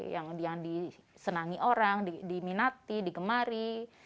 yang disenangi orang diminati digemari